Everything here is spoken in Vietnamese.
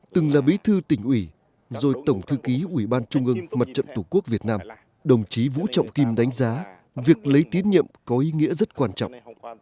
từng là bí thư tỉnh ủy rồi tổng thư ký ủy ban trung ương mặt trận tổ quốc việt nam đồng chí vũ trọng kim đánh giá việc lấy tiến nhiệm có ý nghĩa rất quan trọng